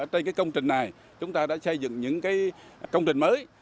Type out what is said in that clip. trên công trình này chúng ta đã xây dựng những công trình mới